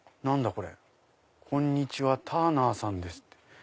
これ「こんにちはターナーさんです」。